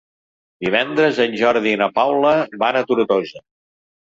Divendres en Jordi i na Paula van a Tortosa.